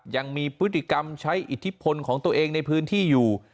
ยังมีพฤติกรรมใช้อิทธิพลของตัวเองในพื้นที่อยู่